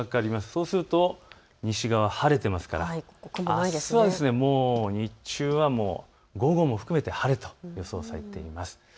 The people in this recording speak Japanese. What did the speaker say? そうすると西側は晴れているのであすは日中は午後も含めて晴れと予想されています。